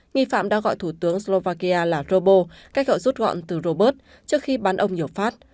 nghi phạm đã gọi thủ tướng slovakia là robo cách gọi rút gọn từ robert trước khi bắn ông nhổ phát